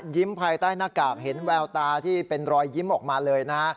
ภายใต้หน้ากากเห็นแววตาที่เป็นรอยยิ้มออกมาเลยนะฮะ